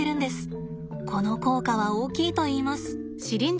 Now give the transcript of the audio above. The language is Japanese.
この効果は大きいといいます。